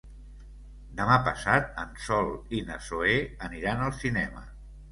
Demà passat en Sol i na Zoè aniran al cinema.